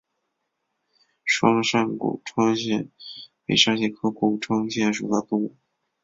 双扇股窗蟹为沙蟹科股窗蟹属的动物。